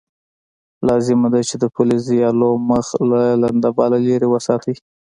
لازمه ده چې د فلزي الو مخ له لنده بل لرې وساتئ.